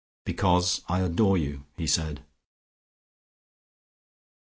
"Because I adore you," he said.